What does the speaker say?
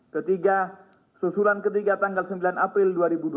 ketiga susulan ketiga tanggal sembilan april dua ribu dua puluh